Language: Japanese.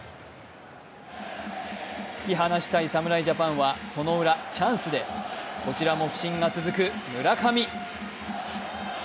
突き放したい侍ジャパンはそのウラ、チャンスでこちらも不振が続く村上。